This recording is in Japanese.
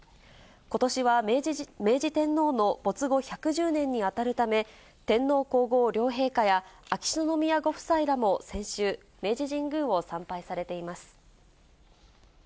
ことしは明治天皇の没後１１０年に当たるため、天皇皇后両陛下や、秋篠宮ご夫妻らも先週、明治神宮を参拝されています。